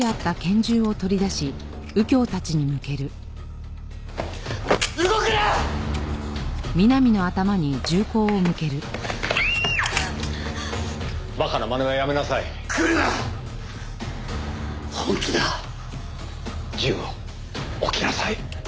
銃を置きなさい。